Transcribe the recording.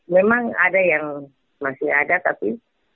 memang ada yang masih ada tapi